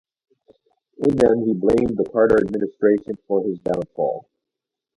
In them he blamed the Carter Administration for his downfall.